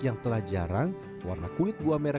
yang telah jarang warna kulit buah merah